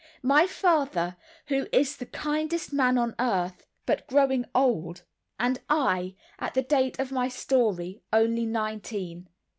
My father, who is the kindest man on earth, but growing old; and I, at the date of my story, only nineteen.